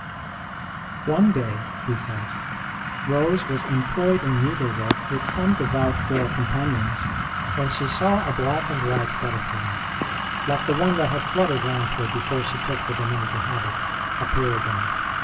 One day, he says, Rose was employed in needlework with some devout girl companions, when she saw a black and white butterfly, like the one that had fluttered round her before she took the Dominican habit, appear again.